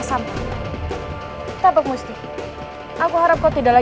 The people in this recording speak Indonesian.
semua kami prabu jakamanggola